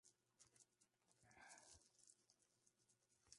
El número de los investigadores que entregan nuevas ideas aquí es reducido.